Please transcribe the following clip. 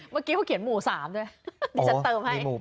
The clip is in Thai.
เมื่อกี้เขาเขียนหมู่๓ด้วยดิฉันเติมให้